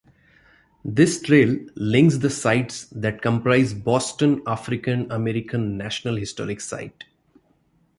This trail links the sites that comprise Boston African American National Historic Site.